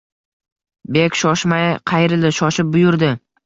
Bek shoshmay qayrildi, shoshib buyurdi: